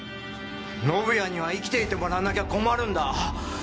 宣也には生きていてもらわなきゃ困るんだ。